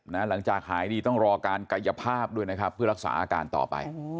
หลังจากหายดีต้องรอการกายภาพด้วยนะครับเพื่อรักษาอาการต่อไป